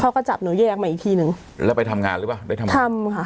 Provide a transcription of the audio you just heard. เขาก็จับหนูแยกมาอีกทีหนึ่งแล้วไปทำงานหรือเปล่าไปทำงานทำค่ะ